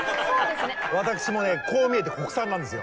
私もねこう見えて国産なんですよ。